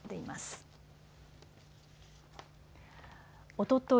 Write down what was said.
おととい